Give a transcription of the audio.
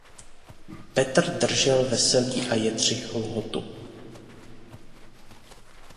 Petr držel Veselí a Jetřich Lhotu.